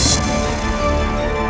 kedudukan dan diharmanikannyaireip